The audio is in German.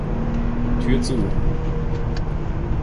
Tür zu.